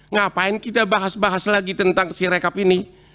ngapain kita bahas bahas lagi tentang si rekap ini